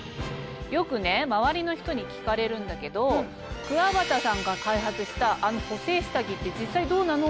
よく周りの人に聞かれるんだけど「くわばたさんが開発したあの補整下着って実際どうなの？」